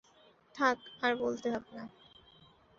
থাক আর বলতে হবে না।